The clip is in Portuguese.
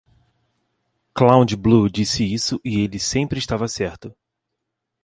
Cloud-Blue disse isso e ele sempre estava certo.